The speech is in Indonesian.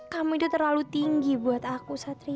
kamu itu terlalu tinggi buat aku satria